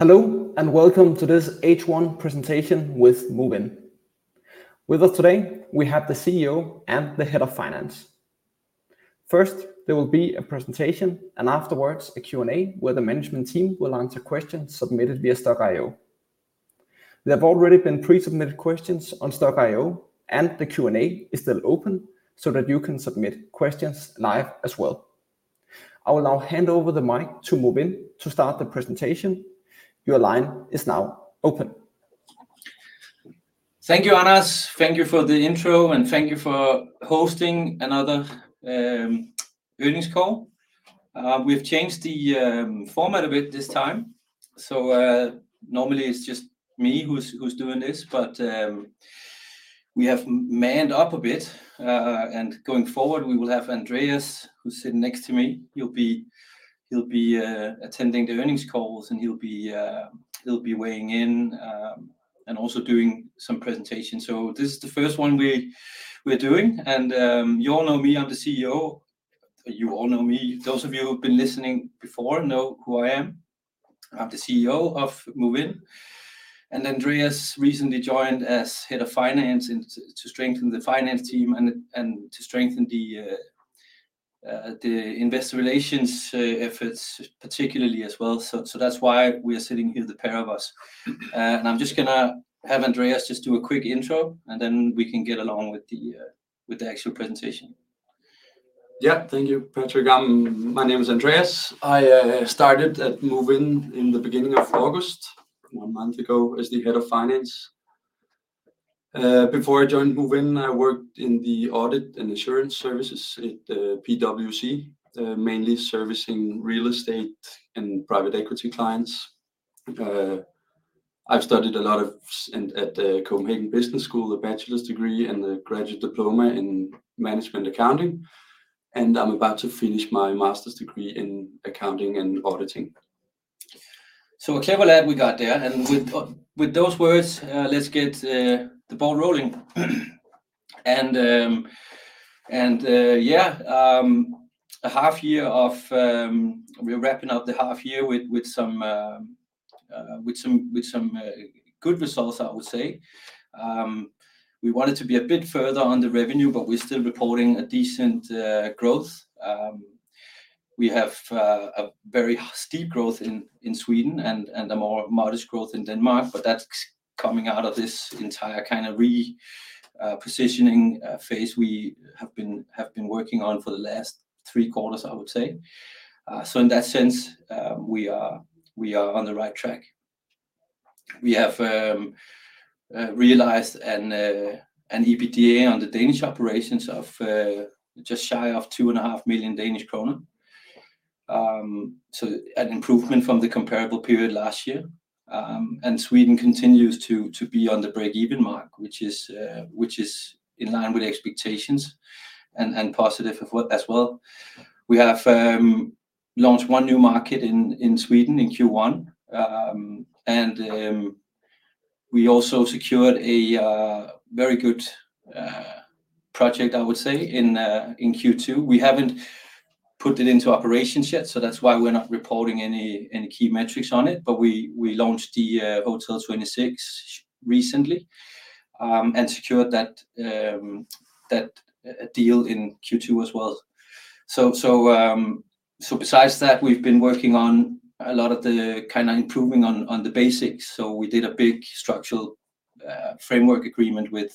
Hello, and welcome to this H1 presentation with Movinn. With us today, we have the CEO and the Head of Finance. First, there will be a presentation, and afterwards, a Q&A, where the management team will answer questions submitted via Stokk.io. There have already been pre-submitted questions on Stokk.io, and the Q&A is still open so that you can submit questions live as well. I will now hand over the mic to Movinn to start the presentation. Your line is now open. Thank you, Anas. Thank you for the intro, and thank you for hosting another earnings call. We've changed the format a bit this time, so normally it's just me who's doing this, but we have manned up a bit. And going forward, we will have Andreas, who's sitting next to me. He'll be attending the earnings calls, and he'll be weighing in and also doing some presentations. So this is the first one we're doing, and you all know me, I'm the CEO. You all know me. Those of you who've been listening before know who I am. I'm the CEO of Movinn, and Andreas recently joined as Head of Finance and to strengthen the finance team and to strengthen the investor relations efforts particularly as well. So that's why we are sitting here, the pair of us. And I'm just gonna have Andreas just do a quick intro, and then we can get along with the actual presentation. Yeah. Thank you, Patrick. My name is Andreas. I started at Movinn in the beginning of August, one month ago, as the Head of Finance. Before I joined Movinn, I worked in the audit and insurance services at PwC, mainly servicing real estate and private equity clients. I've studied at the Copenhagen Business School, a bachelor's degree and a graduate diploma in Management Accounting, and I'm about to finish my master's degree in Accounting and Auditing. So a clever lad we got there, and with those words, let's get the ball rolling, and yeah, we're wrapping up the half year with some good results, I would say. We wanted to be a bit further on the revenue, but we're still reporting a decent growth. We have a very steep growth in Sweden and a more modest growth in Denmark, but that's coming out of this entire kind of repositioning phase we have been working on for the last three quarters, I would say, so in that sense, we are on the right track. We have realized an EBITDA on the Danish operations of just shy of 2.5 million Danish kroner, so an improvement from the comparable period last year, and Sweden continues to be on the breakeven mark, which is in line with expectations and positive as well. We have launched one new market in Sweden in Q1, and we also secured a very good project, I would say, in Q2. We haven't put it into operations yet, so that's why we're not reporting any key metrics on it, but we launched the Hotel Twenty Six recently, and secured that deal in Q2 as well. So besides that, we've been working on a lot of the kind of improving on the basics. So we did a big structural framework agreement with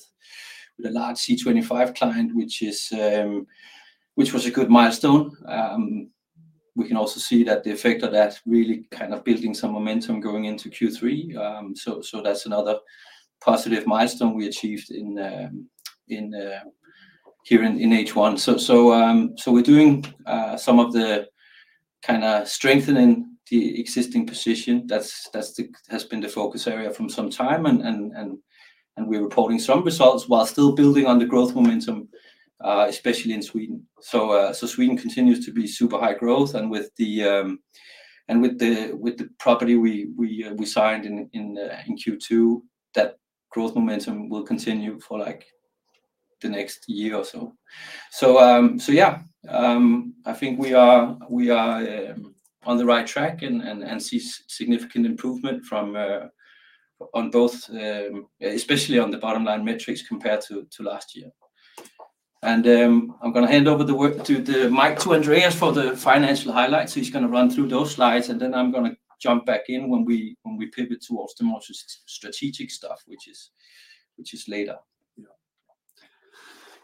a large OMXC25 client, which was a good milestone. We can also see that the effect of that really kind of building some momentum going into Q3. So we're doing some of the kind of strengthening the existing position. That's the focus area from some time, and we're reporting some results while still building on the growth momentum, especially in Sweden. Sweden continues to be super high growth, and with the property we signed in Q2, that growth momentum will continue for, like, the next year or so. Yeah, I think we are on the right track and see significant improvement on both, especially on the bottom line metrics compared to last year. And I'm gonna hand over the mic to Andreas for the financial highlights. He's gonna run through those slides, and then I'm gonna jump back in when we pivot towards the more strategic stuff, which is later. Yeah.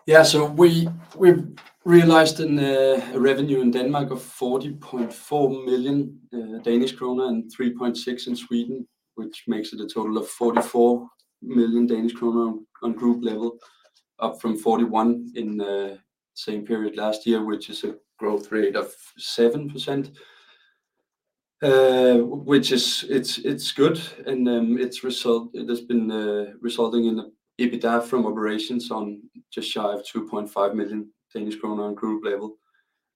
Yeah, so we, we've realized revenue in Denmark of 40.4 million Danish kroner and 3.6 million in Sweden, which makes it a total of 44 million Danish kroner on group level, up from 41 in the same period last year, which is a growth rate of 7%. Which is, it's good, and it's resulting in the EBITDA from operations on just shy of 2.5 million Danish krone on group level,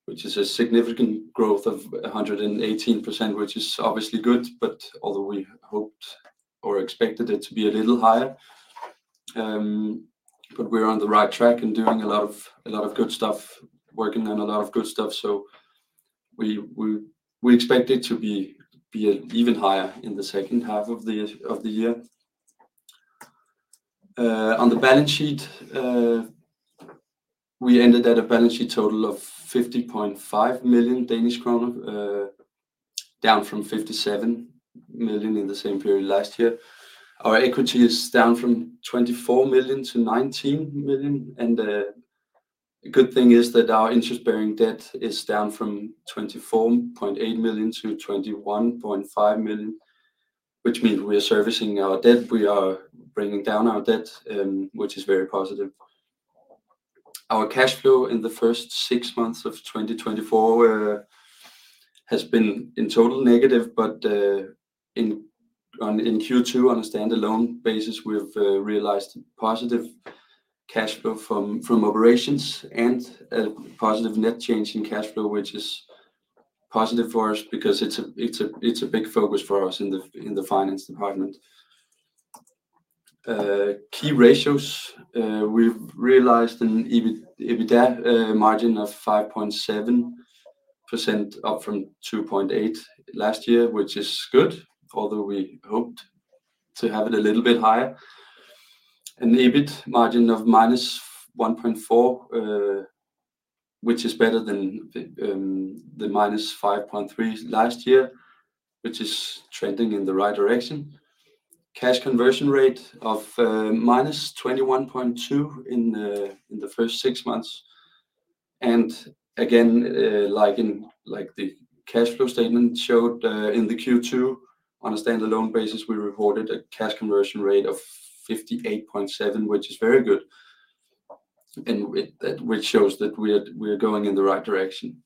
which is a significant growth of 118%, which is obviously good, but although we hoped or expected it to be a little higher-... But we're on the right track and doing a lot of good stuff, working on a lot of good stuff, so we expect it to be even higher in the second half of the year. On the balance sheet, we ended at a balance sheet total of 50.5 million Danish kroner, down from 57 million in the same period last year. Our equity is down from 24 million to 19 million, and the good thing is that our interest-bearing debt is down from 24.8 million to 21.5 million, which means we are servicing our debt. We are bringing down our debt, which is very positive. Our cash flow in the first six months of 2024 has been in total negative, but in Q2, on a standalone basis, we've realized positive cash flow from operations and a positive net change in cash flow, which is positive for us because it's a big focus for us in the finance department. Key ratios, we've realized an EBITDA, EBITDA margin of 5.7%, up from 2.8% last year, which is good, although we hoped to have it a little bit higher. An EBITDA margin of -1.4%, which is better than the -5.3% last year, which is trending in the right direction. Cash conversion rate of -21.2% in the first six months. Again, like in, like the cash flow statement showed, in the Q2, on a standalone basis, we reported a cash conversion rate of 58.7%, which is very good, and it, which shows that we're going in the right direction.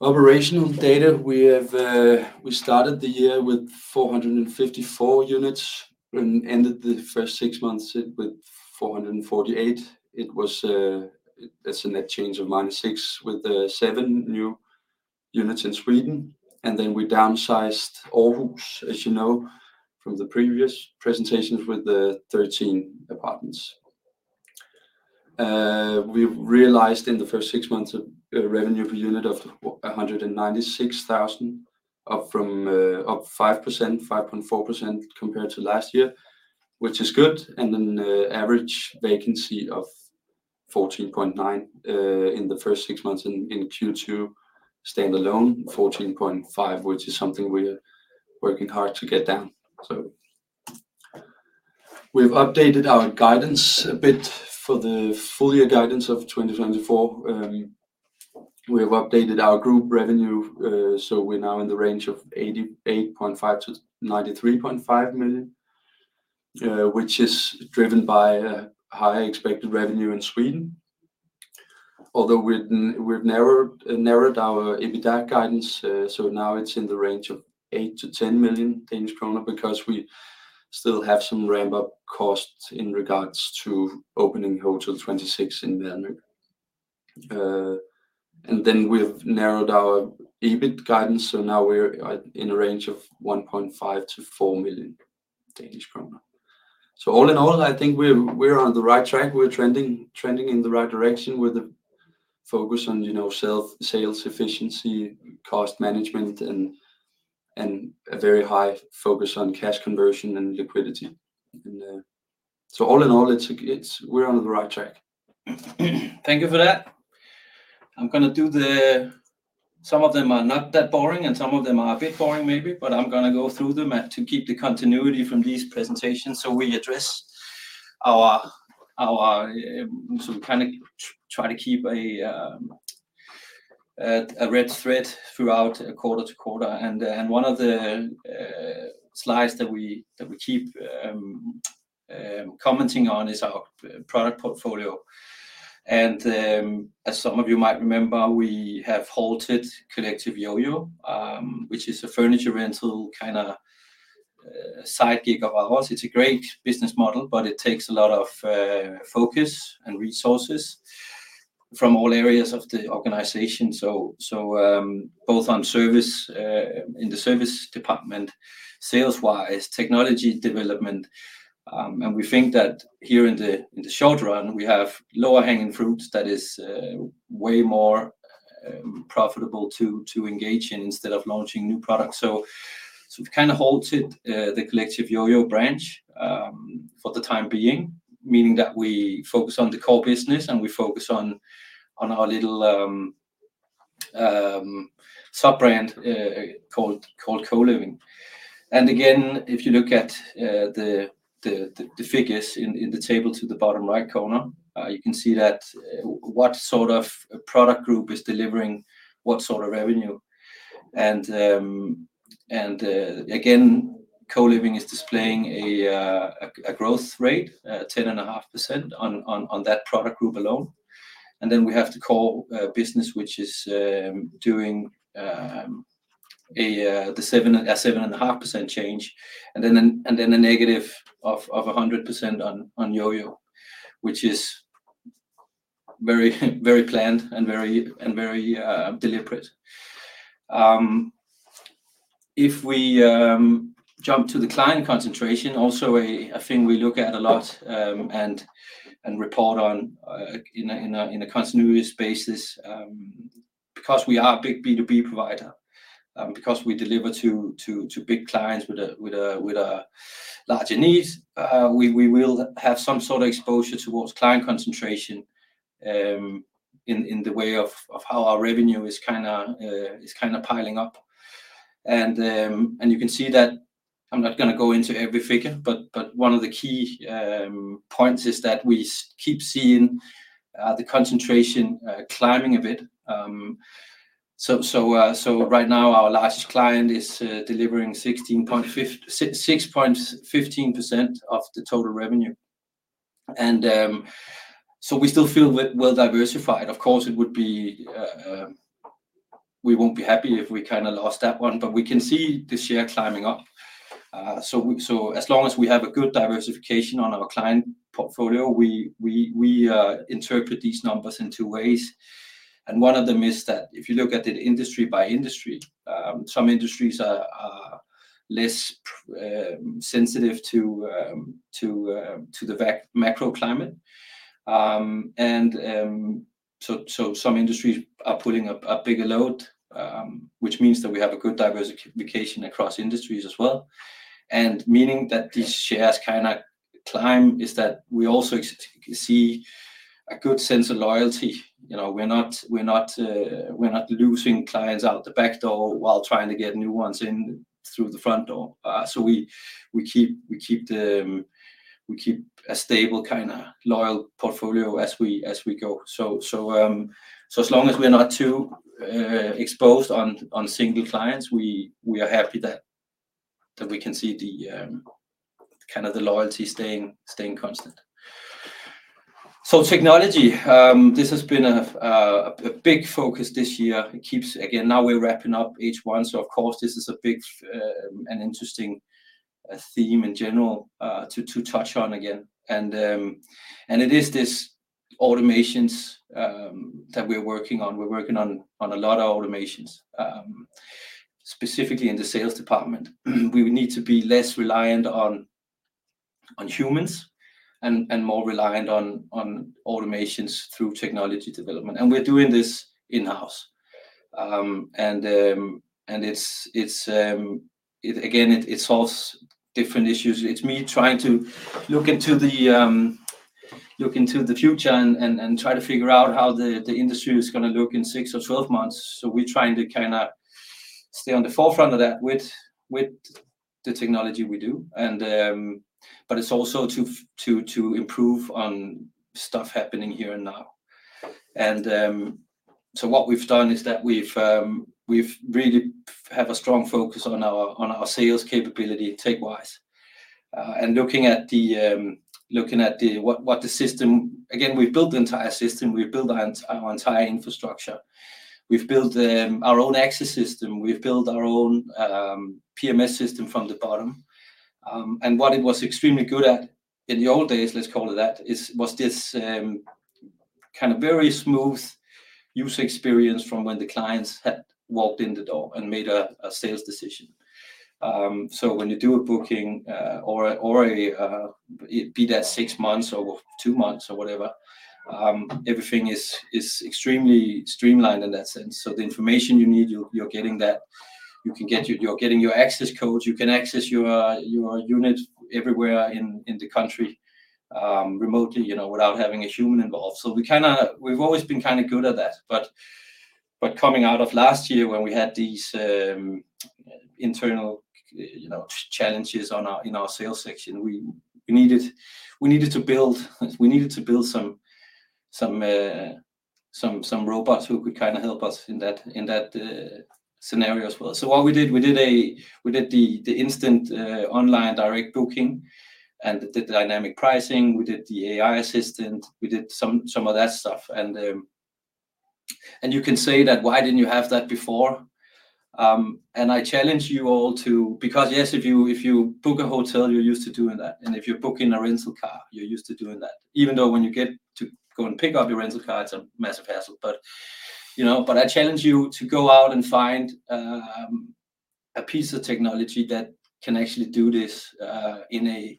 Operational data, we started the year with 454 units and ended the first six months with 448. That's a net change of -6, with the seven new units in Sweden. And then we downsized Aarhus, as you know, from the previous presentations, with the 13 apartments. We've realized in the first six months a revenue per unit of 196,000, up from, up 5%, 5.4% compared to last year, which is good. And then, average vacancy of 14.9% in the first six months. In Q2, standalone, 14.5%, which is something we are working hard to get down. So we've updated our guidance a bit for the full year guidance of 2024. We have updated our group revenue, so we're now in the range of 88.5-93.5 million DKK, which is driven by a higher expected revenue in Sweden. Although we've narrowed our EBITDA guidance, so now it's in the range of 8-10 million Danish kroner because we still have some ramp-up costs in regards to opening Hotel 26 in Väpnaren. And then we've narrowed our EBITDA guidance, so now we're at, in a range of 1.5 million-4 million Danish krone. So all in all, I think we're on the right track. We're trending in the right direction with the focus on, you know, sales efficiency, cost management, and a very high focus on cash conversion and liquidity. And so all in all, it's. We're on the right track. Thank you for that. I'm gonna do the some of them are not that boring, and some of them are a bit boring maybe, but I'm gonna go through them and to keep the continuity from these presentations. So we address our so we kind of try to keep a red thread throughout quarter to quarter. And one of the slides that we keep commenting on is our product portfolio. And as some of you might remember, we have halted Collective Yoyo, which is a furniture rental kinda side gig of ours. It's a great business model, but it takes a lot of focus and resources from all areas of the organization. Both on service in the serviced apartment, sales-wise, technology development, and we think that here in the short run, we have lower hanging fruits that is way more profitable to engage in instead of launching new products. We've kind of halted the Collective Yoyo branch for the time being, meaning that we focus on the core business, and we focus on our little sub-brand called Co-Living. Again, if you look at the figures in the table to the bottom right corner, you can see what sort of product group is delivering what sort of revenue. Again, CoLiving is displaying a growth rate 10.5% on that product group alone. And then we have the core business, which is doing a 7.5% change, and then a negative of 100% on Yoyo, which is very planned and very deliberate. If we jump to the client concentration, also a thing we look at a lot, and report on in a continuous basis, because we are a big B2B provider, because we deliver to big clients with larger needs, we will have some sort of exposure towards client concentration, in the way of how our revenue is kinda piling up. You can see that I'm not gonna go into every figure, but one of the key points is that we keep seeing the concentration climbing a bit. So right now our largest client is delivering 6.15% of the total revenue, and so we still feel well diversified. Of course, it would be, we won't be happy if we kinda lost that one, but we can see the share climbing up. So as long as we have a good diversification on our client portfolio, we interpret these numbers in two ways, and one of them is that if you look at it industry by industry, some industries are less sensitive to the macro climate. Some industries are pulling a bigger load, which means that we have a good diversification across industries as well. Meaning that these shares kinda climb is that we also see a good sense of loyalty. You know, we're not losing clients out the back door while trying to get new ones in through the front door. So we keep a stable, kinda loyal portfolio as we go. As long as we're not too exposed on single clients, we are happy that we can see kind of the loyalty staying constant. Technology this has been a big focus this year. It keeps again, now we're wrapping up H1, so of course, this is a big, an interesting theme in general to touch on again. And it is this automations that we're working on. We're working on a lot of automations, specifically in the sales department. We need to be less reliant on humans and more reliant on automations through technology development. And we're doing this in-house. And it again solves different issues. It's me trying to look into the future and try to figure out how the industry is gonna look in six or 12 months. So we're trying to kinda stay on the forefront of that with the technology we do. But it's also to improve on stuff happening here and now. So what we've done is that we've really have a strong focus on our sales capability tech-wise and looking at what the system. Again, we've built the entire system. We've built our entire infrastructure. We've built our own access system. We've built our own PMS system from the bottom. What it was extremely good at in the old days, let's call it that, is, was this kind of very smooth user experience from when the clients had walked in the door and made a sales decision. So when you do a booking, or a be that six months or two months or whatever, everything is extremely streamlined in that sense. So the information you need, you're getting that. You can get your access code, you can access your unit everywhere in the country, remotely, you know, without having a human involved. So we kinda, we've always been kind of good at that, but coming out of last year when we had these internal, you know, challenges in our sales section, we needed to build some robots who could kind of help us in that scenario as well. So what we did, we did the instant online direct booking and the dynamic pricing, we did the AI assistant, we did some of that stuff. And you can say that, "Why didn't you have that before?" And I challenge you all because yes, if you book a hotel, you're used to doing that, and if you're booking a rental car, you're used to doing that, even though when you get to go and pick up your rental car, it's a massive hassle. But you know, I challenge you to go out and find a piece of technology that can actually do this in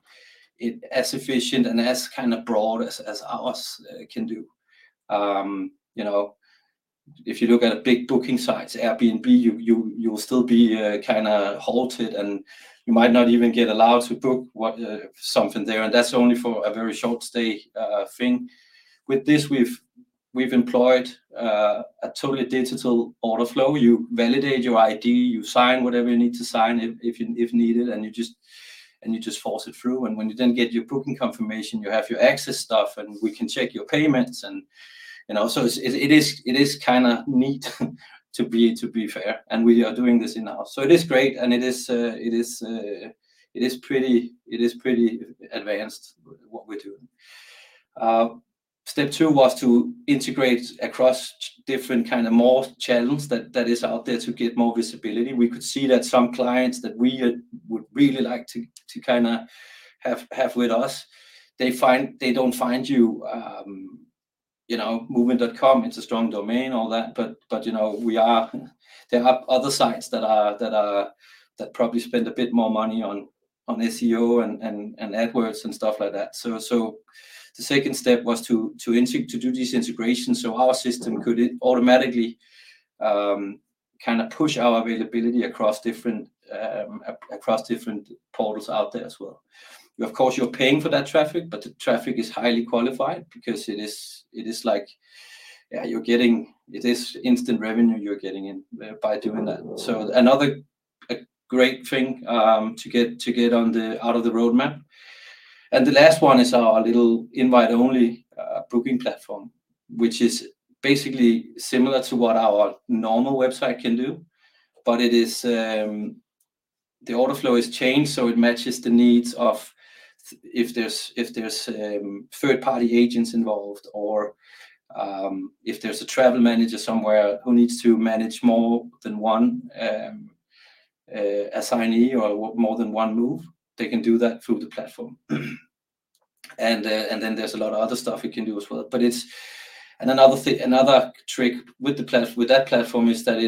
as efficient and as kind of broad as ours can do. You know, if you look at the big booking sites, Airbnb, you will still be kinda halted, and you might not even get allowed to book what something there, and that's only for a very short stay thing. With this, we've employed a totally digital order flow. You validate your ID, you sign whatever you need to sign, if needed, and you just force it through, and when you then get your booking confirmation, you have your access stuff, and we can check your payments, and, you know, so it is kinda neat to be fair, and we are doing this in-house. So it is great, and it is pretty advanced what we're doing. Step two was to integrate across different kind of more channels that is out there to get more visibility. We could see that some clients that we would really like to kinda have with us, they don't find you, you know, movinn.com, it's a strong domain, all that, but, you know, there are other sites that are that probably spend a bit more money on SEO and AdWords and stuff like that. So the second step was to do this integration, so our system could automatically kind of push our availability across different portals out there as well. Of course, you're paying for that traffic, but the traffic is highly qualified because it is like, yeah, you're getting... It is instant revenue you're getting in by doing that. Another great thing to get on the out of the roadmap. The last one is our little invite-only booking platform, which is basically similar to what our normal website can do, but the order flow is changed so it matches the needs of if there's third-party agents involved, or if there's a travel manager somewhere who needs to manage more than one assignee or more than one move, they can do that through the platform. There is a lot of other stuff you can do as well. Another trick with that platform is that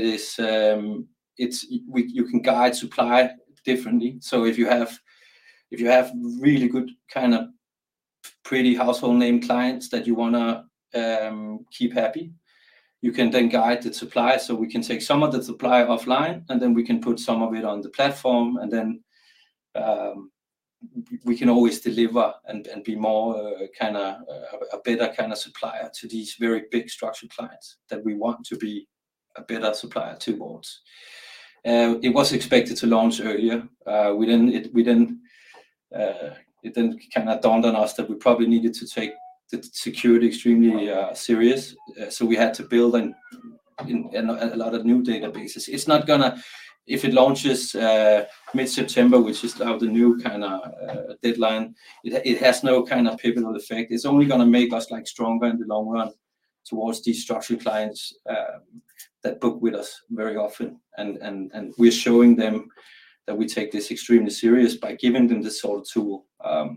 you can guide supply differently. So if you have really good, kind of, pretty household name clients that you wanna keep happy, you can then guide the supply. So we can take some of the supply offline, and then we can put some of it on the platform, and then we can always deliver and be more, kind of, a better kind of supplier to these very big strategic clients that we want to be a better supplier towards. It was expected to launch earlier. It then kind of dawned on us that we probably needed to take the security extremely serious. So we had to build a lot of new databases. It's not gonna... If it launches mid-September, which is now the new kind of deadline, it has no kind of pivotal effect. It's only gonna make us, like, stronger in the long run towards these structure clients that book with us very often. And we're showing them that we take this extremely serious by giving them this whole tool.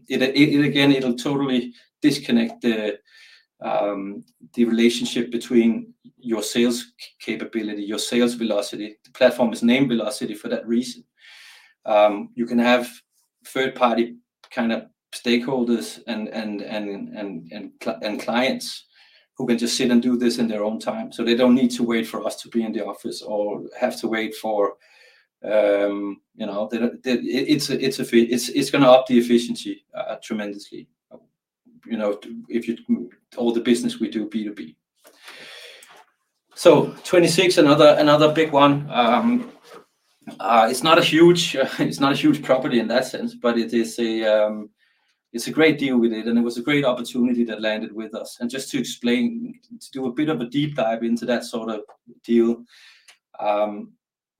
It again, it'll totally disconnect the relationship between your sales capability, your sales velocity. The platform is named Velocity for that reason. You can have third-party kind of stakeholders and clients who can just sit and do this in their own time, so they don't need to wait for us to be in the office or have to wait for, you know, the, the... It's gonna up the efficiency tremendously, you know, to if you all the business we do B2B. So Twenty Six, another big one. It's not a huge property in that sense, but it is a great deal we did, and it was a great opportunity that landed with us. Just to explain, to do a bit of a deep dive into that sort of deal,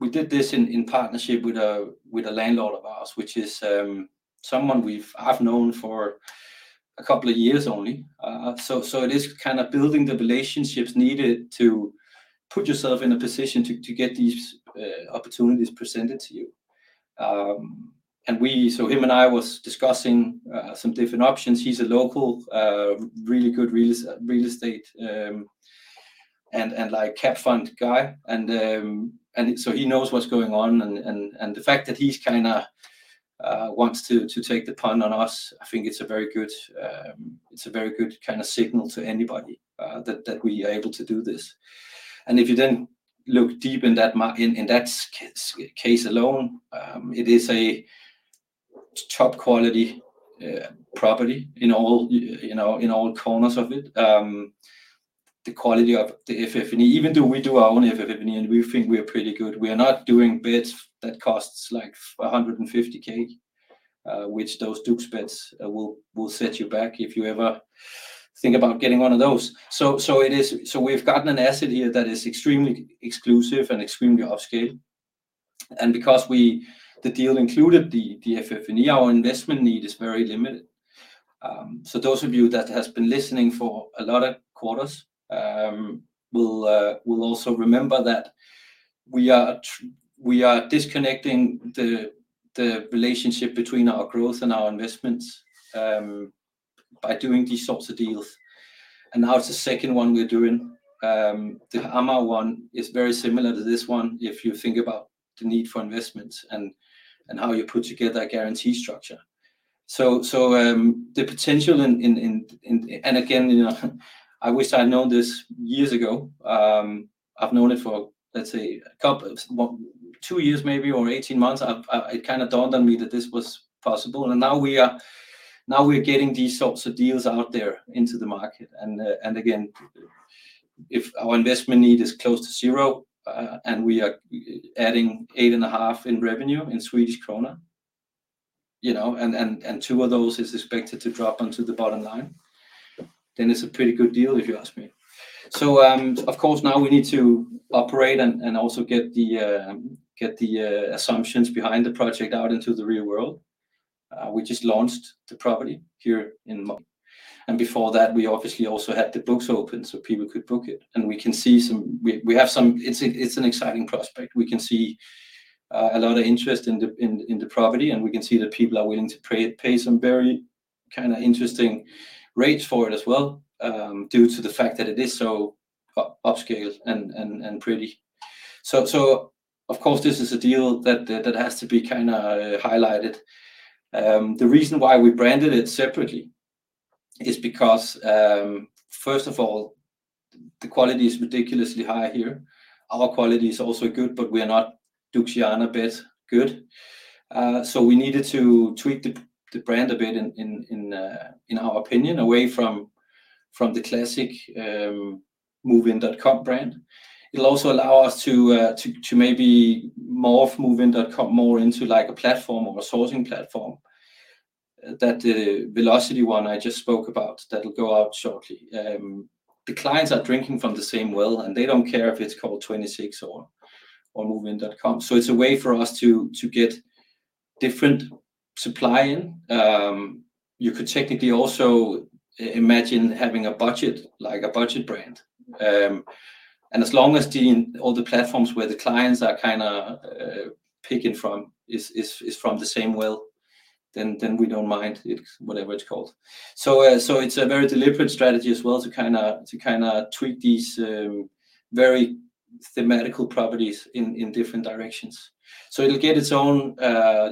we did this in partnership with a landlord of ours, which is someone I've known for a couple of years only. It is kind of building the relationships needed to put yourself in a position to get these opportunities presented to you. Him and I was discussing some different options. He's a local, really good real estate, and, like, cap fund guy, and so he knows what's going on, and the fact that he's kinda wants to take the punt on us, I think it's a very good, it's a very good kind of signal to anybody, that we are able to do this. And if you then look deep in that case alone, it is a top-quality property in all corners of it. The quality of the FF&E, even though we do our own FF&E, and we think we are pretty good, we are not doing bits that costs like 150 K, which those Duxiana beds will set you back if you ever think about getting one of those. We've gotten an asset here that is extremely exclusive and extremely upscale, and because the deal included the FF&E, our investment need is very limited. Those of you that has been listening for a lot of quarters will also remember that we are disconnecting the relationship between our growth and our investments by doing these sorts of deals. And now it's the second one we're doing. The Amager one is very similar to this one if you think about the need for investment and how you put together a guarantee structure. The potential in... And again, you know, I wish I'd known this years ago. I've known it for, let's say, a couple, well, two years maybe, or eighteen months. It kind of dawned on me that this was possible, and now we're getting these sorts of deals out there into the market, and again, if our investment need is close to zero, and we are adding 8.5 in revenue, you know, and two of those is expected to drop onto the bottom line, then it's a pretty good deal if you ask me, so of course, now we need to operate and also get the assumptions behind the project out into the real world. We just launched the property here in May, and before that, we obviously also had the books open, so people could book it, and we can see some. We have some. It's an exciting prospect. We can see a lot of interest in the property, and we can see that people are willing to pay some kind of interesting rates for it as well, due to the fact that it is so upscale and pretty. So of course, this is a deal that has to be kind of highlighted. The reason why we branded it separately is because, first of all, the quality is ridiculously high here. Our quality is also good, but we are not Duxiana bed good. So we needed to tweak the brand a bit in our opinion, away from the classic movin.com brand. It'll also allow us to maybe morph movinn.com more into like a platform or a sourcing platform, that the Velocity one I just spoke about that will go out shortly. The clients are drinking from the same well, and they don't care if it's called twenty-six or movinn.com. So it's a way for us to get different supply in. You could technically also imagine having a budget, like a budget brand. And as long as all the platforms where the clients are kind of picking from is from the same well, then we don't mind it, whatever it's called. So it's a very deliberate strategy as well to kind of tweak these very thematic properties in different directions. So, it'll get its own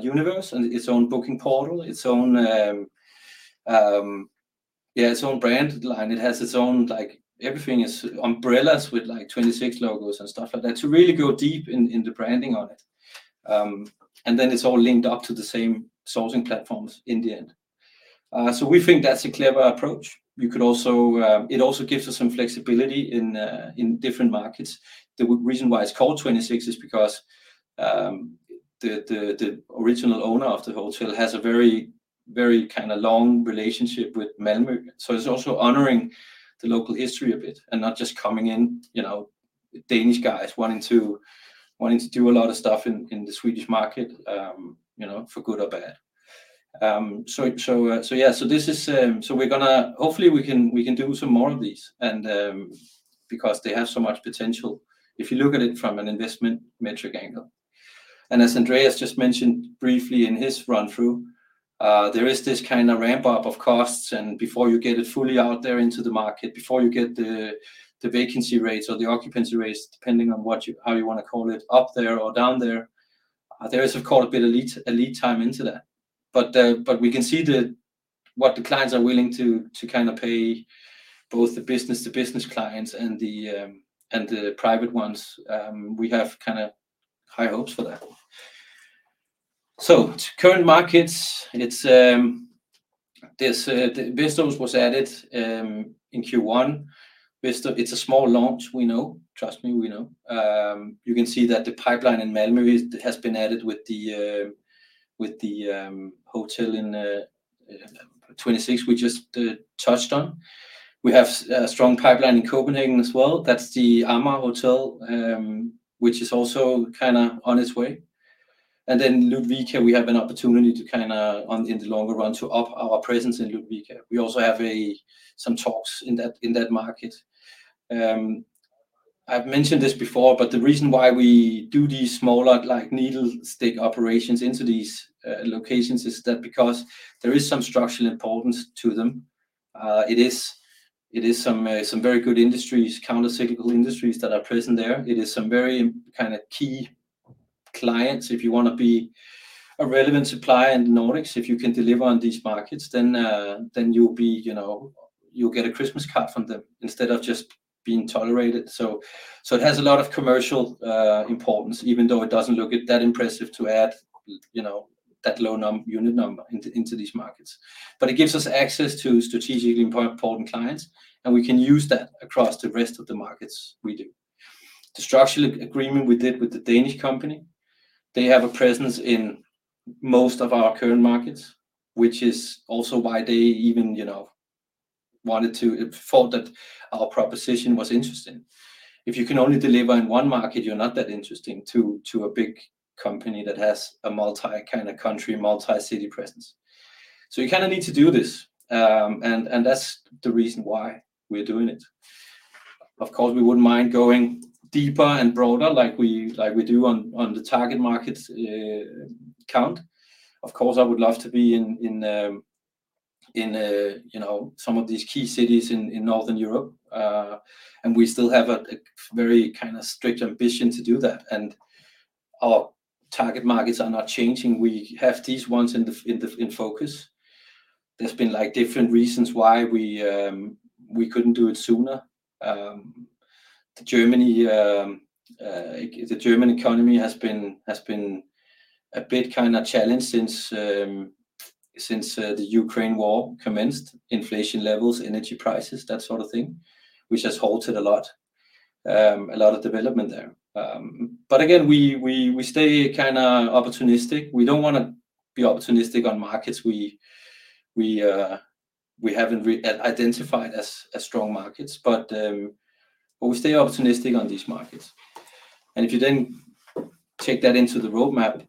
universe and its own booking portal, its own, yeah, its own brand line. It has its own like everything is umbrellas with, like, twenty-six logos and stuff like that to really go deep in the branding on it, and then it's all linked up to the same sourcing platforms in the end, so we think that's a clever approach. We could also, it also gives us some flexibility in different markets. The reason why it's called twenty-six is because the original owner of the hotel has a very, very kind of long relationship with Malmö. It's also honoring the local history a bit and not just coming in, you know, Danish guys wanting to do a lot of stuff in the Swedish market, you know, for good or bad. So yeah, so this is so we're gonna hopefully we can do some more of these and because they have so much potential. If you look at it from an investment metric angle, and as Andreas just mentioned briefly in his run-through, there is this kind of ramp-up of costs, and before you get it fully out there into the market, before you get the vacancy rates or the occupancy rates, depending on how you want to call it, up there or down there, there is quite a bit of a lead time into that. But we can see what the clients are willing to kind of pay both the business to business clients and the private ones. We have kind of high hopes for that. Current markets, it's this. Bispe was added in Q1. Bispe, it's a small launch we know. Trust me, we know. You can see that the pipeline in Malmö has been added with the hotel in twenty-six we just touched on. We have a strong pipeline in Copenhagen as well. That's the Amager hotel, which is also kind of on its way. And then Ludvika, we have an opportunity to kind of in the longer run to up our presence in Ludvika. We also have some talks in that market. I've mentioned this before, but the reason why we do these small, like needle stick operations into these locations is that because there is some structural importance to them. It is some very good industries, countercyclical industries that are present there. It is some very kind of key clients. If you want to be a relevant supplier in the Nordics, if you can deliver on these markets, then you'll be, you know, you'll get a Christmas card from them instead of just being tolerated. So it has a lot of commercial importance even though it doesn't look that impressive to add, you know, that low unit number into these markets. But it gives us access to strategically important clients, and we can use that across the rest of the markets we do. The structural agreement we did with the Danish company, they have a presence in most of our current markets, which is also why they even, you know, wanted to thought that our proposition was interesting. If you can only deliver in one market, you're not that interesting to, to a big company that has a multi kind of country, multi-city presence. So you kind of need to do this, and that's the reason why we're doing it. Of course, we wouldn't mind going deeper and broader, like we do on the target markets count. Of course, I would love to be in, you know, some of these key cities in Northern Europe. And we still have a very kind of strict ambition to do that, and our target markets are not changing. We have these ones in the focus. There's been, like, different reasons why we couldn't do it sooner. The German economy has been a bit kind of challenged since the Ukraine war commenced. Inflation levels, energy prices, that sort of thing, which has halted a lot of development there. But again, we stay kind of opportunistic. We don't want to be opportunistic on markets we haven't re-identified as strong markets, but we stay opportunistic on these markets. And if you then take that into the roadmap,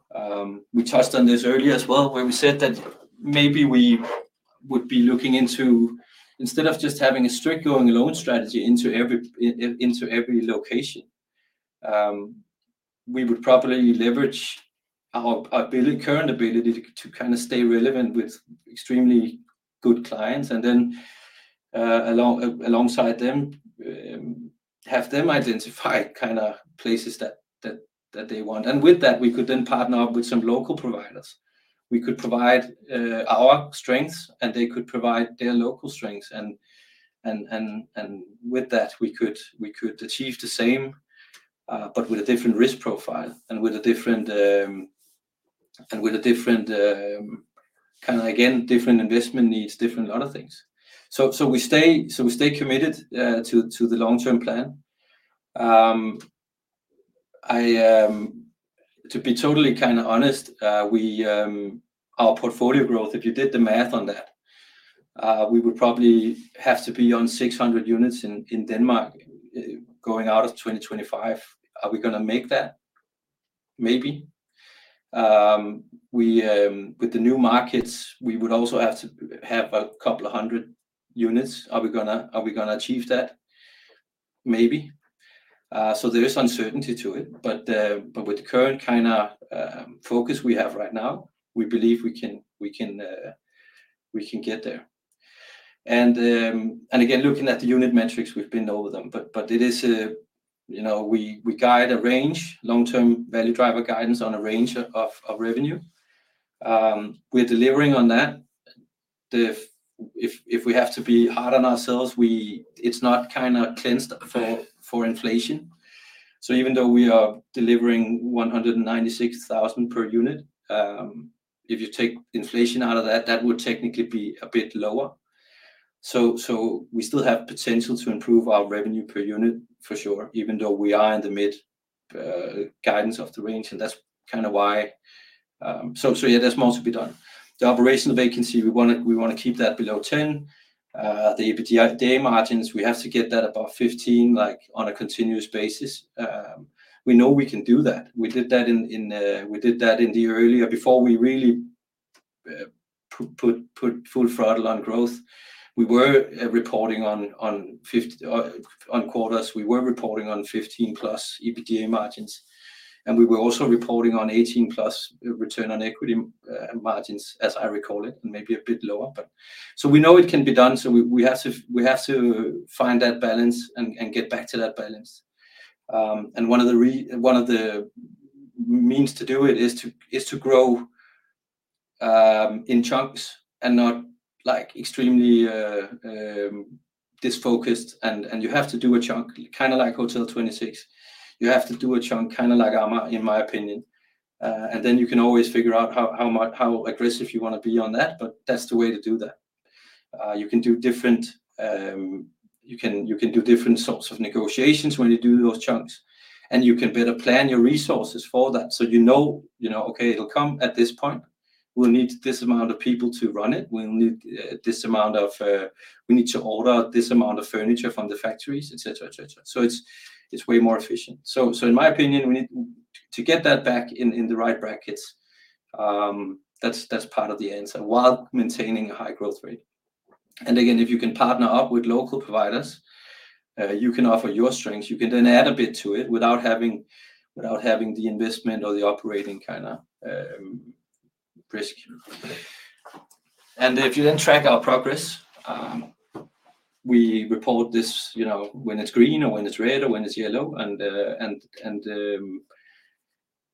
we touched on this earlier as well, where we said that maybe we would be looking into, instead of just having a strict going alone strategy into every location... We would probably leverage our ability, current ability to kind of stay relevant with extremely good clients and then, alongside them, have them identify kind of places that they want, and with that, we could then partner up with some local providers. We could provide our strengths, and they could provide their local strengths and with that, we could achieve the same, but with a different risk profile and with a different kind of, again, different investment needs, different lot of things, we stay committed to the long-term plan. To be totally kind of honest, our portfolio growth, if you did the math on that, we would probably have to be on 600 units in Denmark going into 2025. Are we gonna make that? Maybe. With the new markets, we would also have to have a couple of hundred units. Are we gonna achieve that? Maybe. So there is uncertainty to it, but with the current kind of focus we have right now, we believe we can get there, and again, looking at the unit metrics, we've been over them, but it is a... You know, we guide a range, long-term value driver guidance on a range of revenue. We're delivering on that. If we have to be hard on ourselves, we it's not kind of cleansed for inflation. So even though we are delivering 196,000 per unit, if you take inflation out of that, that would technically be a bit lower. So we still have potential to improve our revenue per unit for sure, even though we are in the mid guidance of the range, and that's kind of why. So yeah, there's more to be done. The operational vacancy, we want to keep that below 10%. The EBITDA margins, we have to get that above 15%, like, on a continuous basis. We know we can do that. We did that in the year earlier, before we really put full throttle on growth. We were reporting on 15-plus EBITDA margins, and we were also reporting on 18-plus return on equity margins, as I recall it, and maybe a bit lower, but. So we know it can be done, so we have to find that balance and get back to that balance. One of the means to do it is to grow in chunks and not like extremely disfocused. And you have to do a chunk, kind of like Hotel 26. You have to do a chunk, kind of like Amager, in my opinion. And then you can always figure out how much, how aggressive you wanna be on that, but that's the way to do that. You can do different sorts of negotiations when you do those chunks, and you can better plan your resources for that. So you know, you know, "Okay, it'll come at this point. We'll need this amount of people to run it. We'll need this amount of. We need to order this amount of furniture from the factories," et cetera, et cetera. So it's way more efficient. So in my opinion, we need to get that back in the right brackets. That's part of the answer, while maintaining a high growth rate. And again, if you can partner up with local providers, you can offer your strengths. You can then add a bit to it without having the investment or the operating kind of risk. And if you then track our progress, we report this, you know, when it's green or when it's red or when it's yellow, and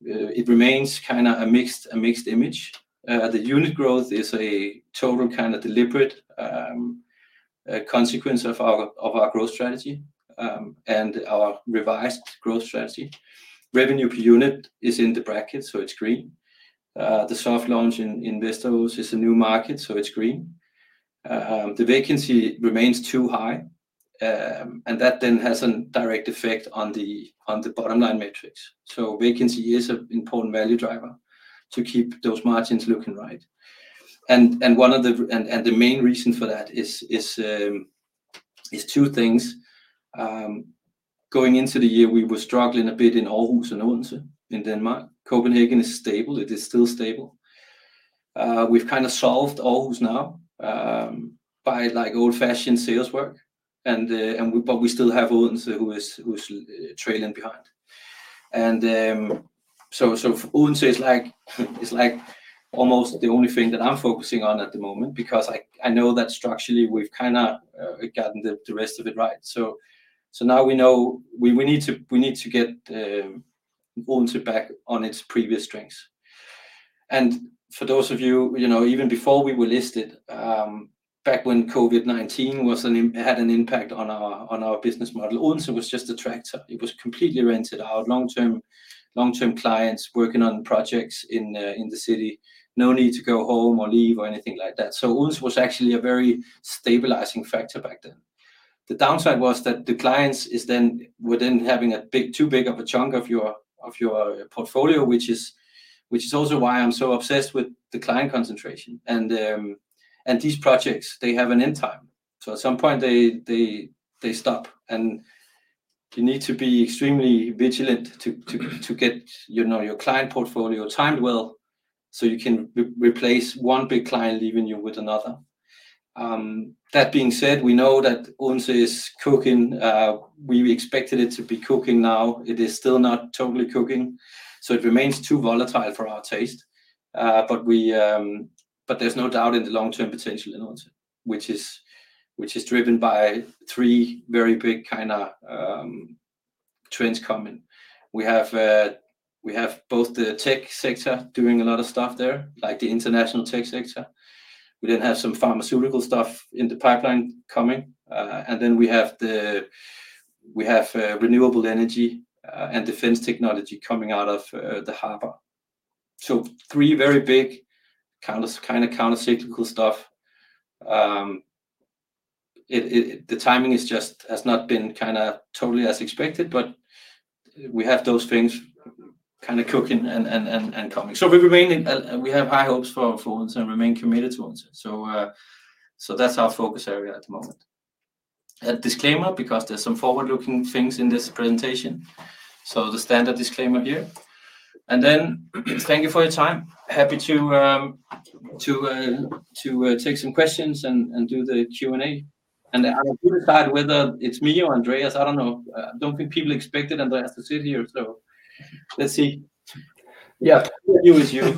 it remains kind of a mixed image. The unit growth is a total kind of deliberate consequence of our growth strategy and our revised growth strategy. Revenue per unit is in the bracket, so it's green. The soft launch in Vesterbro is a new market, so it's green. The vacancy remains too high, and that then has a direct effect on the bottom line metrics. So vacancy is an important value driver to keep those margins looking right. And the main reason for that is two things. Going into the year, we were struggling a bit in Aarhus and Odense in Denmark. Copenhagen is stable. It is still stable. We've kind of solved Aarhus now, by, like, old-fashioned sales work, and but we still have Odense, who's trailing behind. So Odense is like almost the only thing that I'm focusing on at the moment because I know that structurally, we've kind of gotten the rest of it right. So now we know we need to get Odense back on its previous strengths. For those of you, you know, even before we were listed, back when COVID-19 had an impact on our business model, Odense was just a tractor. It was completely rented out long-term, long-term clients working on projects in the city, no need to go home or leave or anything like that. So Odense was actually a very stabilizing factor back then. The downside was that the clients is then within having a big, too big of a chunk of your portfolio, which is also why I'm so obsessed with the client concentration. And these projects, they have an end time, so at some point, they stop, and you need to be extremely vigilant to get, you know, your client portfolio timed well, so you can replace one big client leaving you with another. That being said, we know that Odense is cooking. We expected it to be cooking now. It is still not totally cooking, so it remains too volatile for our taste. But there's no doubt in the long-term potential in Odense, which is driven by three very big kind of trends coming. We have both the tech sector doing a lot of stuff there, like the international tech sector. We then have some pharmaceutical stuff in the pipeline coming, and then we have renewable energy and defense technology coming out of the harbor. So three very big kind of countercyclical stuff. The timing is just not been kind of totally as expected, but we have those things kind of cooking and coming. So we remain and we have high hopes for Odense and remain committed to Odense. So, so that's our focus area at the moment. A disclaimer, because there's some forward-looking things in this presentation, so the standard disclaimer here. And then, thank you for your time. Happy to take some questions and do the Q&A. And, I will decide whether it's me or Andreas. I don't know. I don't think people expect Andreas to sit here, so let's see. Yeah, it was you.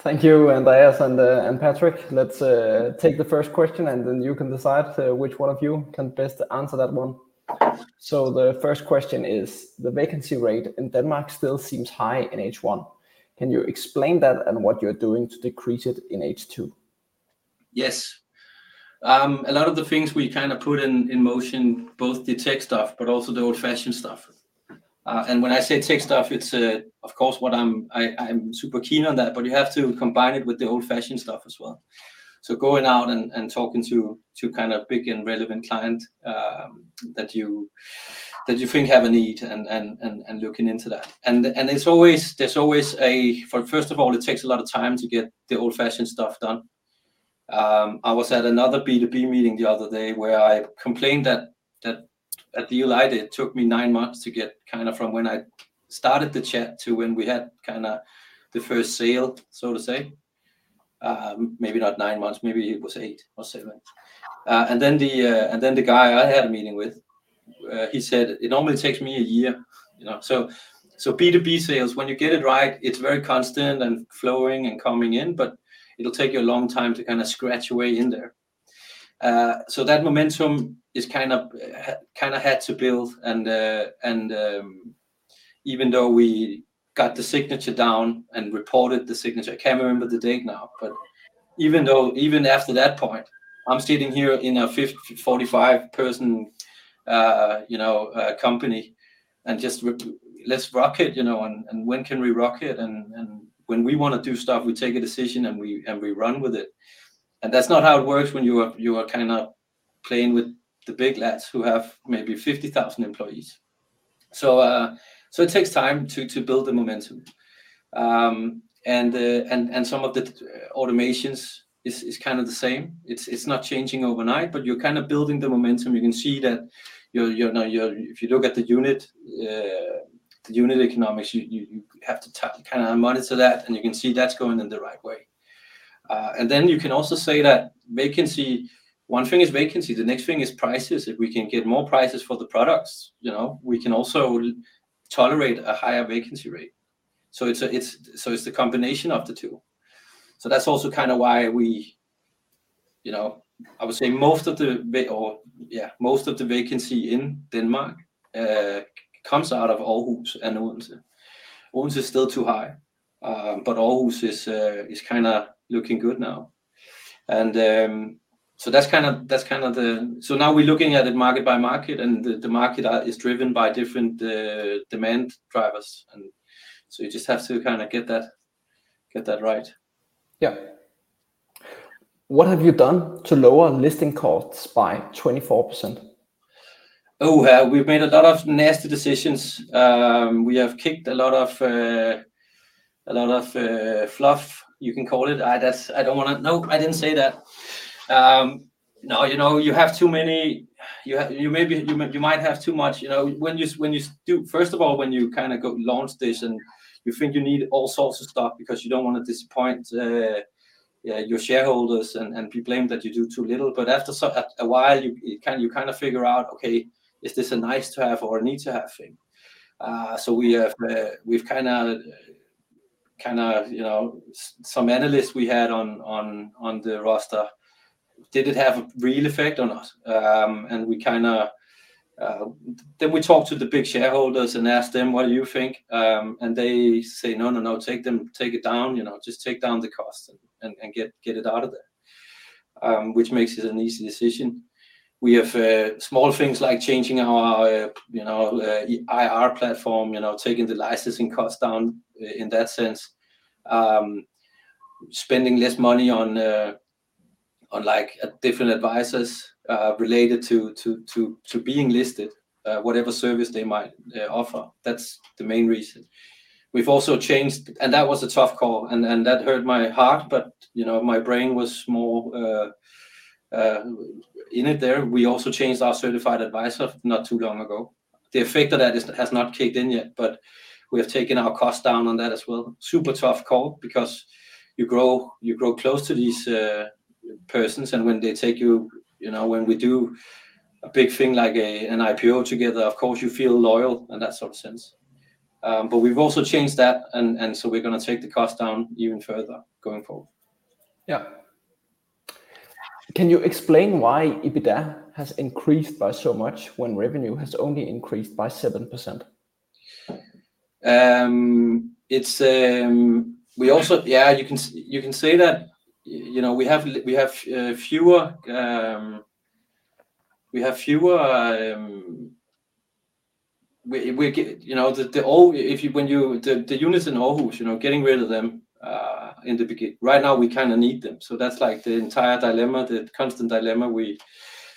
Thank you, Andreas and Patrick. Let's take the first question, and then you can decide which one of you can best answer that one. So the first question is: The vacancy rate in Denmark still seems high in H1. Can you explain that and what you're doing to decrease it in H2? Yes. A lot of the things we kind of put in motion, both the tech stuff, but also the old-fashioned stuff. And when I say tech stuff, it's of course what I'm super keen on that, but you have to combine it with the old-fashioned stuff as well. So going out and talking to kind of big and relevant client that you think have a need and looking into that. And there's always. For first of all, it takes a lot of time to get the old-fashioned stuff done. I was at another B2B meeting the other day where I complained that at the end, it took me nine months to get kind of from when I started the chat to when we had kind of the first sale, so to say. Maybe not nine months, maybe it was eight or seven. And then the guy I had a meeting with, he said, "It normally takes me a year," you know? So B2B sales, when you get it right, it's very constant and flowing and coming in, but it'll take you a long time to kind of scratch your way in there. So that momentum is kind of had to build and even though we got the signature down and reported the signature, I can't remember the date now, but even though even after that point, I'm sitting here in a forty-five person company, you know, and just "Let's rock it!" You know, and "When can we rock it?" And when we wanna do stuff, we take a decision, and we run with it. And that's not how it works when you are kind of now playing with the big lads who have maybe fifty thousand employees. So it takes time to build the momentum. And some of the automations is kind of the same. It's not changing overnight, but you're kind of building the momentum. You can see that you're now if you look at the unit economics you have to kind of monitor that, and you can see that's going in the right way. And then you can also say that vacancy. One thing is vacancy, the next thing is prices. If we can get more prices for the products, you know, we can also tolerate a higher vacancy rate. So it's the combination of the two. So that's also kind of why we, you know, I would say most of the vacancy in Denmark comes out of Aarhus and Odense. Odense is still too high, but Aarhus is kind of looking good now. And so that's kind of the... So now we're looking at it market by market, and the market is driven by different demand drivers, and so you just have to kind of get that right. Yeah. What have you done to lower listing costs by 24%? Oh, we've made a lot of nasty decisions. We have kicked a lot of fluff, you can call it. I don't wanna... Nope, I didn't say that! No, you know, you have too many, you maybe, you might have too much. You know, when you do, first of all, when you kind of go launch this and you think you need all sorts of stuff because you don't want to disappoint your shareholders and be blamed that you do too little, but after some, a while, you kind of figure out, okay, is this a nice to have or a need to have thing? So we have, we've kind of, you know, some analysts we had on the roster. Did it have a real effect on us? And we kind of. Then we talked to the big shareholders and asked them what you think, and they say, "No, no, no, take them, take it down, you know, just take down the cost and get it out of there," which makes it an easy decision. We have small things like changing our, you know, IR platform, you know, taking the licensing costs down, in that sense. Spending less money on like different advisors related to being listed, whatever service they might offer. That's the main reason. We've also changed... That was a tough call, and that hurt my heart, but you know, my brain was more in it there. We also changed our certified advisor not too long ago. The effect of that has not kicked in yet, but we have taken our cost down on that as well. Super tough call because you grow close to these persons, and when they take you, you know, when we do a big thing like an IPO together, of course, you feel loyal in that sort of sense. But we've also changed that, and so we're gonna take the cost down even further going forward. Yeah. Can you explain why EBITDA has increased by so much when revenue has only increased by 7%? It's... we also- yeah, you can, you can say that, you know, we have- we have fewer, we have fewer, we get, you know, the, the- if you, when you, the, the units in Aarhus, you know, getting rid of them, in the begin, right now, we kind of need them. So that's, like, the entire dilemma, the constant dilemma we...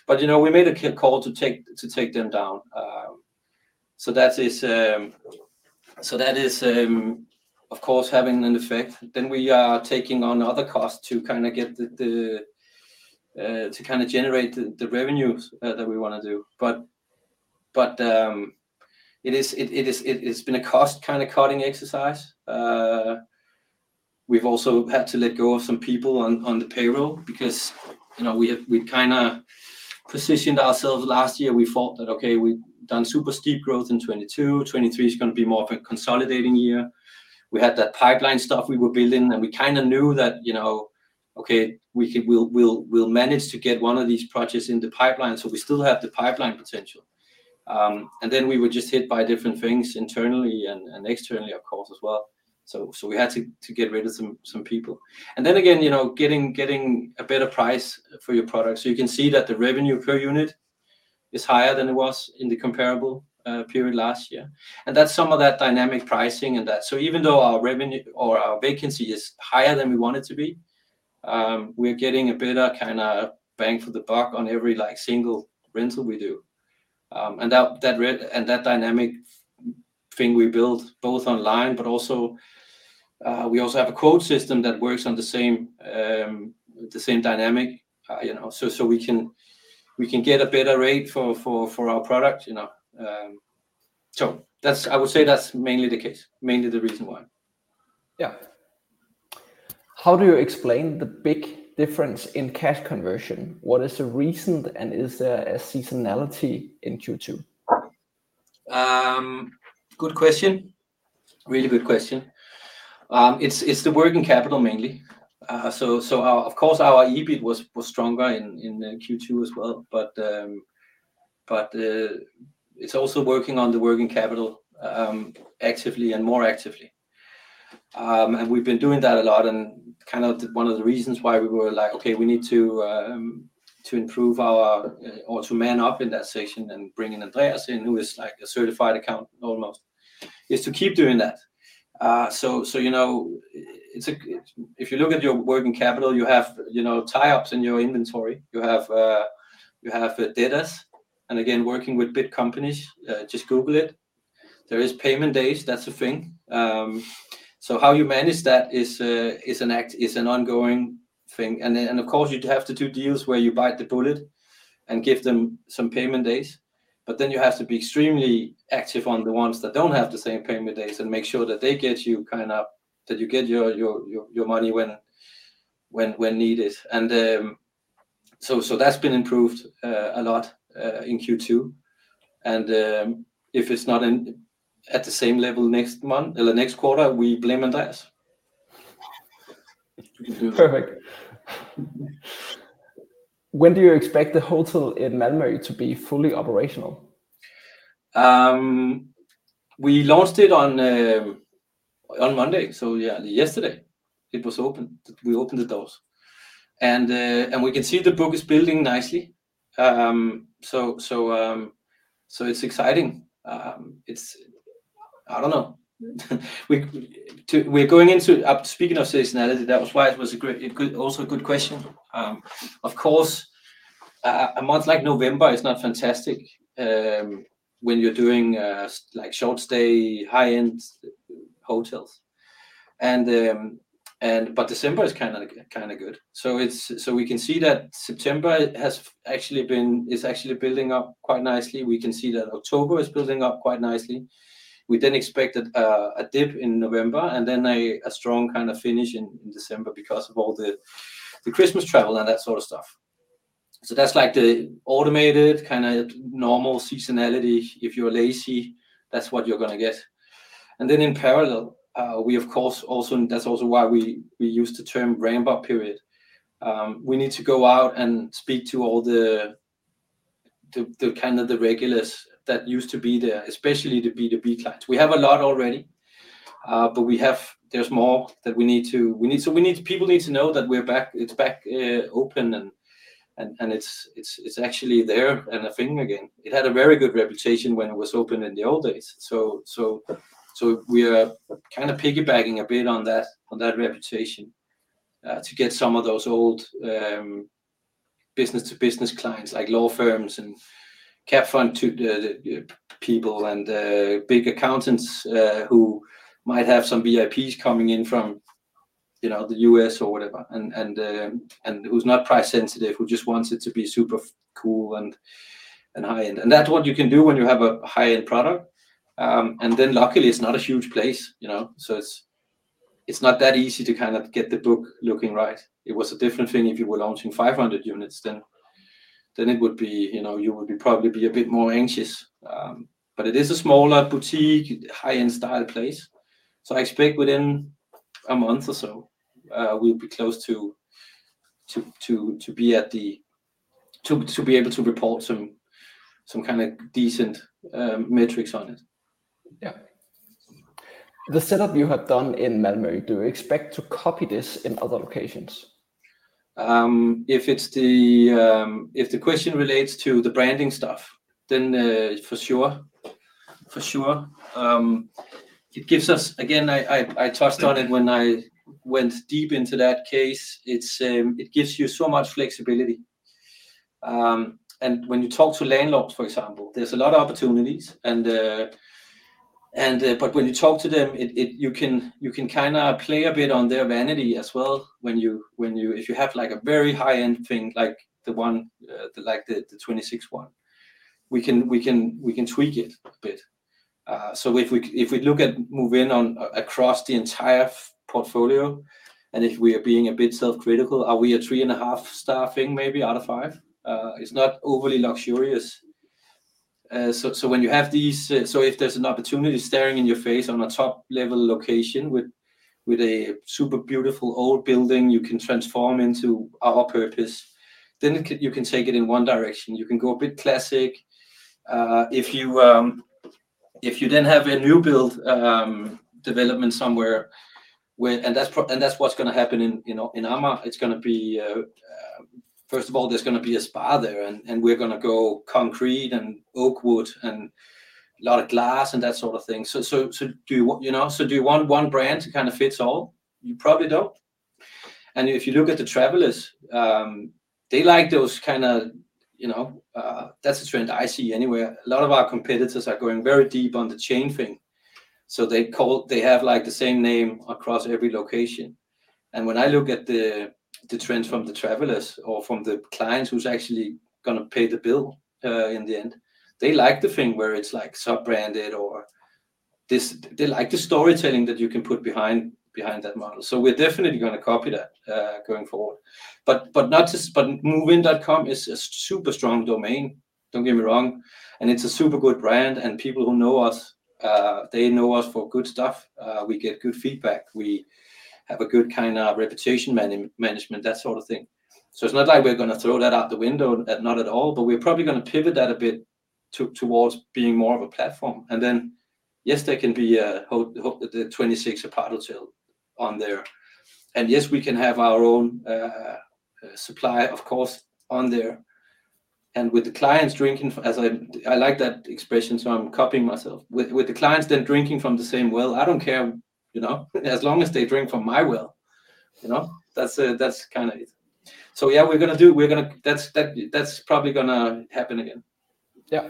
But, you know, we made a call to take, to take them down. So that is, of course, having an effect. Then we are taking on other costs to kind of get the, the, to kind of generate the, the revenues, that we wanna do. But it is, it's been a cost kind of cutting exercise. We've also had to let go of some people on the payroll because, you know, we kind of positioned ourselves last year. We thought that, "Okay, we've done super steep growth in 2022. 2023 is gonna be more of a consolidating year." We had that pipeline stuff we were building, and we kind of knew that, you know, okay, we could, we'll manage to get one of these projects in the pipeline, so we still have the pipeline potential. And then we were just hit by different things internally and externally, of course, as well, so we had to get rid of some people. And then again, you know, getting a better price for your product. So you can see that the revenue per unit is higher than it was in the comparable period last year, and that's some of that dynamic pricing and that. So even though our revenue or our vacancy is higher than we want it to be, we're getting a better kind of bang for the buck on every, like, single rental we do. And that dynamic thing we built both online, but also, we also have a quote system that works on the same, the same dynamic, you know, so we can get a better rate for our product, you know? So that's I would say that's mainly the case, mainly the reason why. Yeah. How do you explain the big difference in cash conversion? What is the reason, and is there a seasonality in Q2? Good question. Really good question. It's the working capital mainly. So our, of course, our EBIT was stronger in Q2 as well, but it's also working on the working capital actively and more actively. And we've been doing that a lot and kind of one of the reasons why we were like, "Okay, we need to improve our, or to man up in that section and bring in Andreas," who is like a certified accountant almost, is to keep doing that. So you know, it's a... If you look at your working capital, you have tie-ups in your inventory. You have debts. And again, working with big companies, just google it, there is payment days, that's a thing. So how you manage that is an ongoing thing. And then, of course, you'd have to do deals where you bite the bullet and give them some payment days, but then you have to be extremely active on the ones that don't have the same payment days and make sure that they get you kind of, that you get your money when needed. And so that's been improved a lot in Q2, and if it's not at the same level next month or the next quarter, we blame Andreas. Perfect. When do you expect the hotel in Malmö to be fully operational? We launched it on Monday, so yeah, yesterday it was opened. We opened the doors. And we can see the book is building nicely. So it's exciting. It's... I don't know. We're going into... Speaking of seasonality, that was why it was a great, a good, also a good question. Of course, a month like November is not fantastic, when you're doing like short-stay, high-end hotels. And but December is kind of good. So it's... We can see that September has actually been, is actually building up quite nicely. We can see that October is building up quite nicely. We then expected a dip in November and then a strong kind of finish in December because of all the Christmas travel and that sort of stuff. So that's, like, the automated, kind of normal seasonality. If you're lazy, that's what you're gonna get. And then in parallel, we of course also, and that's also why we use the term rainbow period, we need to go out and speak to all the kind of regulars that used to be there, especially the B2B clients. We have a lot already, but we have. There's more that we need, so we need people to know that we're back, it's back, open, and it's actually there and a thing again. It had a very good reputation when it was open in the old days, so we are kind of piggybacking a bit on that reputation to get some of those old business-to-business clients, like law firms and cap fund to the people and big accountants who might have some VIPs coming in from you know the US or whatever, and who's not price sensitive, who just wants it to be super fucking cool and high-end. And that's what you can do when you have a high-end product. And then luckily, it's not a huge place, you know, so it's not that easy to kind of get the book looking right. It was a different thing if you were launching 500 units. Then it would be, you know, you would probably be a bit more anxious. But it is a smaller, boutique, high-end style place, so I expect within a month or so, we'll be close to be able to report some kind of decent metrics on it. Yeah. The setup you have done in Malmö, do you expect to copy this in other locations? If the question relates to the branding stuff, then, for sure. For sure. It gives us, again, I touched on it when I went deep into that case. It gives you so much flexibility. And when you talk to landlords, for example, there's a lot of opportunities, and... But when you talk to them, you can kind of play a bit on their vanity as well, when you, if you have, like, a very high-end thing, like the twenty six one, we can tweak it a bit. So if we look at Movinn across the entire portfolio, and if we are being a bit self-critical, are we a three-and-a-half star thing, maybe, out of five? It's not overly luxurious. So when you have these, so if there's an opportunity staring in your face on a top-level location with a super beautiful old building you can transform into our purpose, then you can take it in one direction. You can go a bit classic. If you then have a new build development somewhere, where. And that's what's gonna happen in, you know, in Amager. It's gonna be first of all, there's gonna be a spa there, and we're gonna go concrete and oak wood and a lot of glass and that sort of thing. So do you want, you know, so do you want one brand to kind of fits all? You probably don't. And if you look at the travelers, they like those kind of, you know. That's the trend I see anywhere. A lot of our competitors are going very deep on the chain thing, so they have, like, the same name across every location. And when I look at the trends from the travelers or from the clients who's actually gonna pay the bill, in the end, they like the thing where it's, like, sub-branded or they like the storytelling that you can put behind that model. So we're definitely gonna copy that, going forward. But not just, but movin.com is a super strong domain, don't get me wrong, and it's a super good brand, and people who know us, they know us for good stuff. We get good feedback. We have a good kind of reputation management, that sort of thing. It's not like we're gonna throw that out the window, not at all, but we're probably gonna pivot that a bit towards being more of a platform. Then, yes, there can be the 26 Aparthotel on there. Yes, we can have our own supply, of course, on there. With the clients drinking, as I like that expression, so I'm copying myself. With the clients, they're drinking from the same well, I don't care, you know, as long as they drink from my well, you know, that's kind of it. Yeah, we're gonna do that. That's probably gonna happen again. Yeah.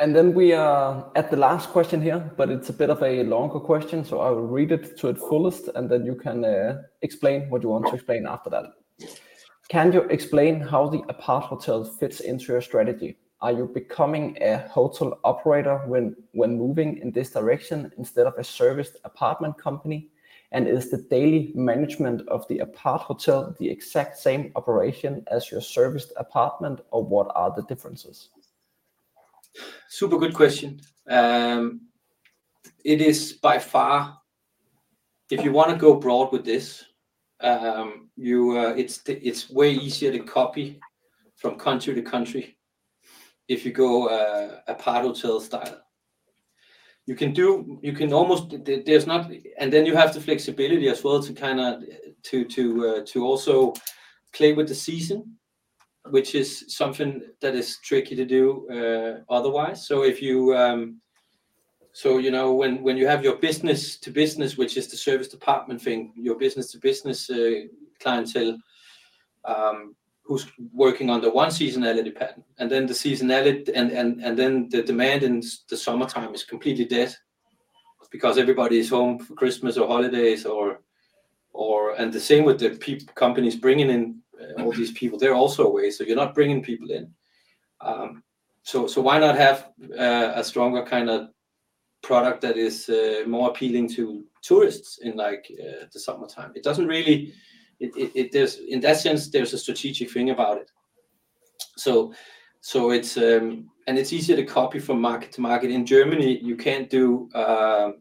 And then we are at the last question here, but it's a bit of a longer question, so I will read it to its fullest, and then you can explain what you want to explain after that. "Can you explain how the aparthotel fits into your strategy? Are you becoming a hotel operator when moving in this direction instead of a serviced apartment company? And is the daily management of the aparthotel the exact same operation as your serviced apartment, or what are the differences? Super good question. It is by far. If you wanna go abroad with this, it's way easier to copy from country to country if you go aparthotel style. You can do, you can almost. And then you have the flexibility as well to kind of to also play with the season, which is something that is tricky to do otherwise. So if you so you know, when you have your business to business, which is the service department thing, your business to business clientele, who's working under one seasonality pattern, and then the seasonality, and then the demand in the summertime is completely dead because everybody is home for Christmas or holidays. And the same with the people companies bringing in all these people. They're also away, so you're not bringing people in. So why not have a stronger kind of product that is more appealing to tourists in, like, the summertime? It doesn't really. In that sense, there's a strategic thing about it. So it's, and it's easier to copy from market to market. In Germany, you can't do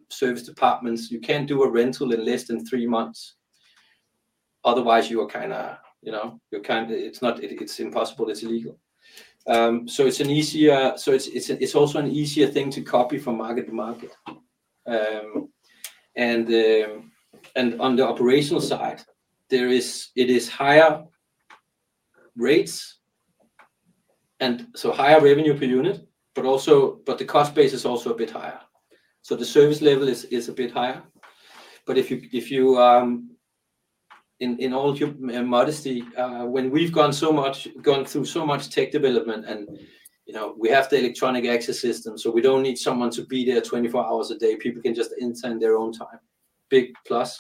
serviced apartments. You can't do a rental in less than three months. Otherwise, you are kind of, you know, you're kind of. It's not. It's impossible. It's illegal. So it's an easier. So it's also an easier thing to copy from market to market. On the operational side, it is higher rates and so higher revenue per unit, but the cost base is also a bit higher, so the service level is a bit higher. But, in all humility and modesty, when we've gone through so much tech development and, you know, we have the electronic access system, so we don't need someone to be there 24 hours a day. People can just enter in their own time. Big plus.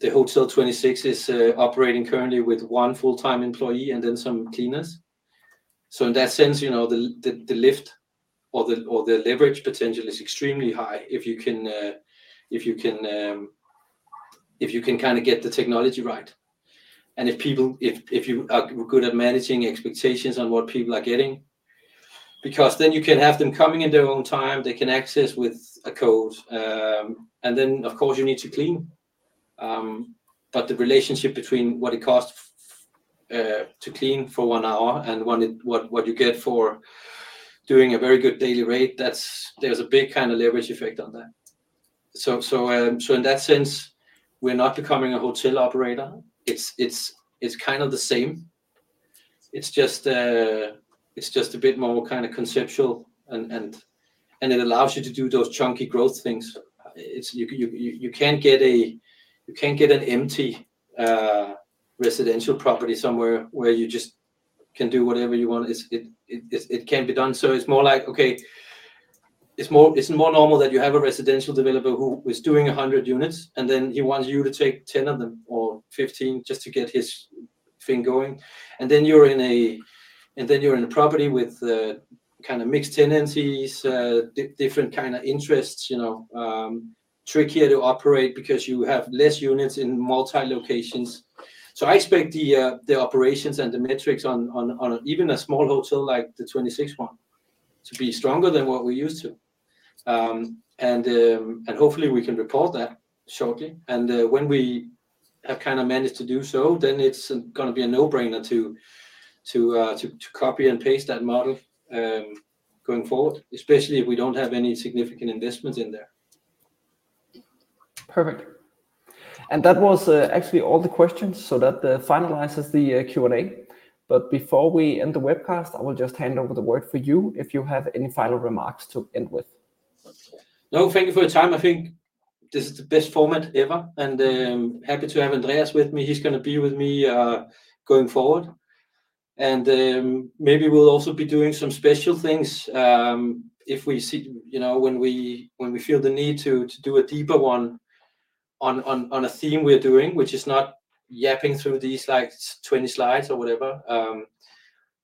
The Hotel 26 is operating currently with one full-time employee and then some cleaners. So in that sense, you know, the lift or the leverage potential is extremely high if you can kind of get the technology right, and if you are good at managing expectations on what people are getting, because then you can have them coming in their own time, they can access with a code. And then, of course, you need to clean. But the relationship between what it costs to clean for one hour and what you get for doing a very good daily rate, that's. There's a big kind of leverage effect on that. So in that sense, we're not becoming a hotel operator. It's kind of the same. It's just a bit more kind of conceptual and it allows you to do those chunky growth things. You can't get an empty residential property somewhere where you just can do whatever you want. It can be done. So it's more like, okay, it's more normal that you have a residential developer who is doing 100 units, and then he wants you to take 10 of them or 15 just to get his thing going. And then you're in a property with kind of mixed tenancies, different kind of interests, you know, trickier to operate because you have less units in multi-locations. So I expect the operations and the metrics on even a small hotel like the 26 one to be stronger than what we're used to. And hopefully we can report that shortly. And when we have kind of managed to do so, then it's gonna be a no-brainer to copy and paste that model going forward, especially if we don't have any significant investments in there. Perfect, and that was actually all the questions, so that finalizes the Q&A, but before we end the webcast, I will just hand over the word for you, if you have any final remarks to end with. No, thank you for your time. I think this is the best format ever, and happy to have Andreas with me. He's gonna be with me, going forward. And maybe we'll also be doing some special things, you know, when we feel the need to do a deeper one on a theme we're doing, which is not yapping through these, like, 20 slides or whatever.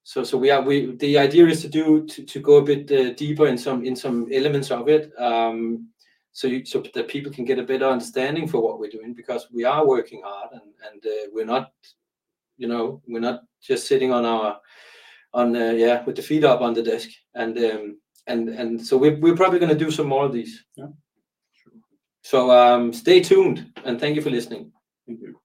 The idea is to go a bit deeper in some elements of it, so that people can get a better understanding for what we're doing. Because we are working hard, and we're not, you know, we're not just sitting on our, on the... yeah, with the feet up on the desk. So we're probably gonna do some more of these. Yeah, sure. Stay tuned, and thank you for listening. Thank you.